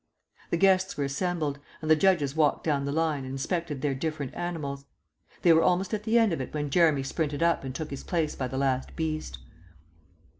The guests were assembled, and the judges walked down the line and inspected their different animals. They were almost at the end of it when Jeremy sprinted up and took his place by the last beast.